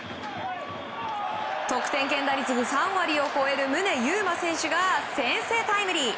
得点圏打率３割を超える宗佑磨選手が先制タイムリー。